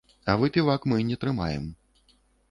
А выпівак мы не трымаем.